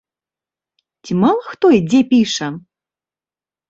Ці мала хто і дзе піша!!